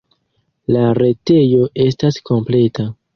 La retejo estas kompleta.